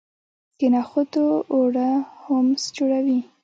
د نخودو اوړه هومس جوړوي.